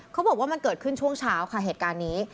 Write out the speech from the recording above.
เขาบอกว่ามันเกิดขึ้นช่วงเช้าค่ะเหตุการณ์นี้